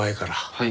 はい。